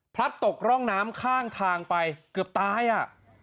ตกร่องน้ำข้างทางไปเกือบตายอ่ะ